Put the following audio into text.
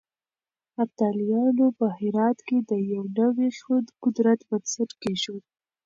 ابدالیانو په هرات کې د يو نوي قدرت بنسټ کېښود.